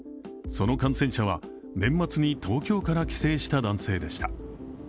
その感染者は年末に東京から帰省した男性でした。